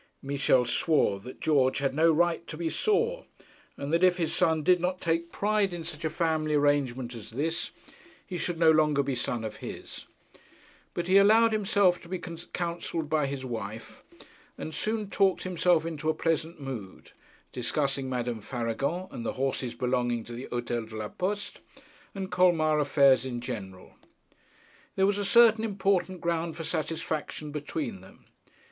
Michel swore that George had no right to be sore, and that if his son did not take pride in such a family arrangement as this, he should no longer be son of his. But he allowed himself to be counselled by his wife, and soon talked himself into a pleasant mood, discussing Madame Faragon, and the horses belonging to the Hotel de la Poste, and Colmar affairs in general. There was a certain important ground for satisfaction between them.